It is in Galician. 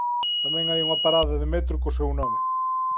Tamén hai unha parada de metro co seu nome.